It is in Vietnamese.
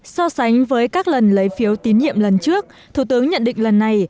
so sánh với các lần lấy phiếu tín nhiệm lần trước thủ tướng nhận định lần này